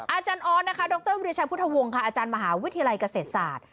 อาจารย์ออสนะคะดรวิริชัยพุทธวงศ์ค่ะอาจารย์มหาวิทยาลัยเกษตรศาสตร์